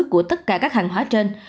của tất cả các hàng hóa trên